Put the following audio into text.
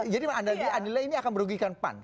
jadi andila ini akan merugikan pan